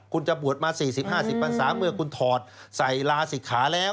คุณจะบวชมา๔๐๕๐พันศาเมื่อคุณถอดใส่ลาศิกขาแล้ว